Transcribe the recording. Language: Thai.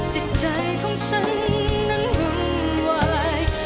จิตใจของฉันนั้นวุ่นวาย